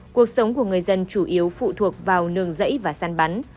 cuộc sống của người dân chủ yếu phụ thuộc vào nương dãy và săn bắn